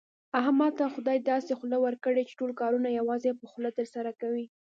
احمد ته خدای داسې خوله ورکړې، چې ټول کارونه یوازې په خوله ترسره کوي.